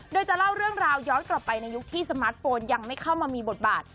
โดยจะเล่าเรื่องราวย้อนกลับไปในยุคที่สมาร์ทโฟนยังไม่เข้ามามีบทบาท